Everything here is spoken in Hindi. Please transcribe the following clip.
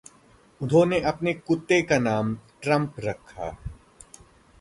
उन्होंने अपने कुत्ते का नाम ट्रम्प रखा।